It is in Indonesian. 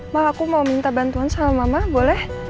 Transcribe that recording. mak aku mau minta bantuan bagi mama boleh